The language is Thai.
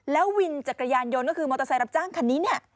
แล้ววินจักรยานยนต์ก็คือมอเตอร์ไซค์รับจ้างคันนี้เนี่ย